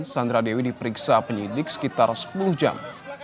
sandra dewi diperiksa penyidik sekitar sepuluh jam